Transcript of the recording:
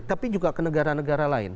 tapi juga ke negara negara lain